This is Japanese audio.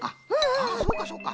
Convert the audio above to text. あそうかそうか。